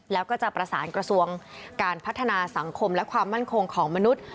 แล้วก็จะประสานกระทรวงการพัฒนาสังคมและความมั่นคงของมนุษย์